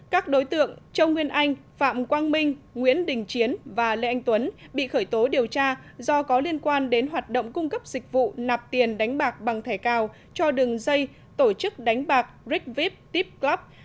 các đối tượng châu nguyên anh phạm quang minh nguyễn đình chiến và lê anh tuấn bị khởi tố điều tra do có liên quan đến hoạt động cung cấp dịch vụ nạp tiền đánh bạc bằng thẻ cao cho đường dây tổ chức đánh bạc rigvip tip club